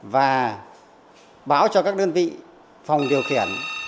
và báo cho các đơn vị phòng điều khiển